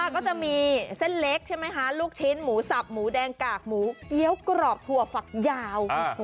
ก็จะมีเส้นเล็กใช่ไหมคะลูกชิ้นหมูสับหมูแดงกากหมูเกี้ยวกรอบถั่วฝักยาว